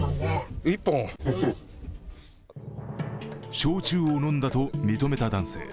焼酎を飲んだと認めた男性。